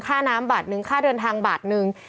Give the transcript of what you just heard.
ค่าน้ำบาทนึงค่าเดินทางบาทนึง